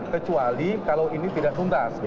kecuali kalau ini tidak tuntas